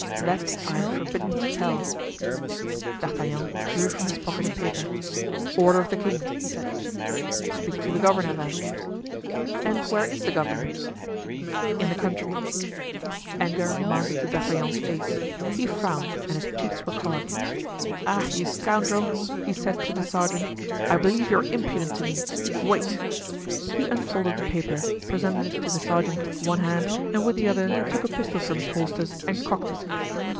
"That I am forbidden to tell." D'Artagnan drew from his pocket a paper. "Order of the king," he said. "Speak to the governor, then." "And where is the governor?" "In the country." Anger mounted to D'Artagnan's face; he frowned and his cheeks were colored. "Ah, you scoundrel!" he said to the sergeant, "I believe you are impudent to me! Wait!" He unfolded the paper, presented it to the sergeant with one hand and with the other took a pistol from his holsters and cocked it.